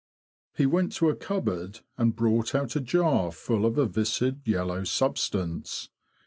He went to a cupboard, and brought out a jar full of a viscid yellow substance.